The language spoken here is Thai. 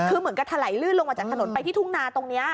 คือเหมือนกับถลายลื่นลงมาจากถนนไปที่ทุ่งนาตรงนี้